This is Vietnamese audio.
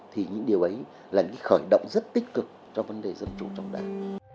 thì những điều ấy là những khởi động rất tích cực cho vấn đề dân chủ trong đảng